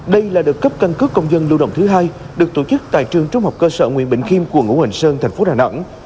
đây là đợt cấp căn cức công dân lưu động thứ hai được tổ chức tại trường trung học cơ sở nguyễn bình khiêm quận ngũ hành sơn tp đà nẵng